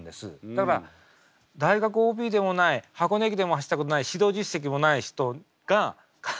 だから大学ＯＢでもない箱根駅伝も走ったことない指導実績もない人が監督になるわけですから。